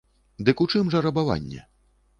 Дык у чым жа рабаванне?